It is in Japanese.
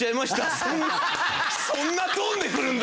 そんなトーンで来るんだ！